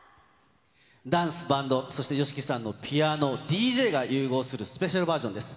ダンス、バンド、そしてＹＯＳＨＩＫＩさんのピアノ、ＤＪが融合するスペシャルバージョンです。